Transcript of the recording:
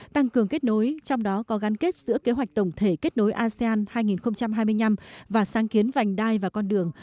tăng cường kết nối trong đó có gắn kết giữa kế hoạch tổng thể kết nối asean hai nghìn hai mươi năm và sáng kiến vành đai và con đường